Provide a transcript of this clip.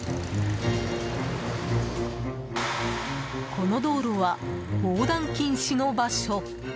この道路は、横断禁止の場所。